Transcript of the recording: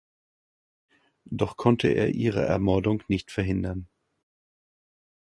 Doch konnte er ihre Ermordung nicht verhindern.